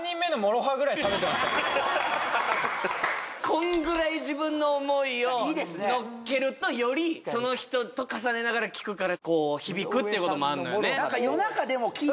こんぐらい自分の思いを乗っけるとよりその人と重ねながら聴くから響くってこともあんのよね